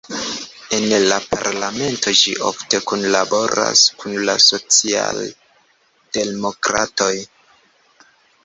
En la parlamento ĝi ofte kunlaboras kun la socialdemokratoj.